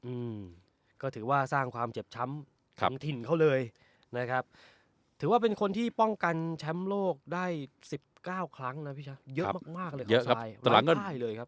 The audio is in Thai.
อืมก็ถือว่าสร้างความเจ็บช้ำครับของถิ่นเขาเลยนะครับถือว่าเป็นคนที่ป้องกันแชมป์โลกได้สิบเก้าครั้งนะพี่ช้า